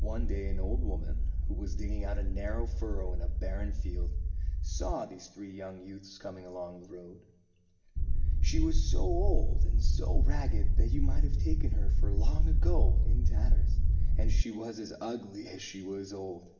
One day an old woman, who was digging out a narrow furrow in a barren field, saw these three youths coming along the road. She was so old and so ragged that you might have taken her for Long Ago in tatters, and she was as ugly as she was old.